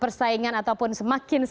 persaingan ataupun semakin serius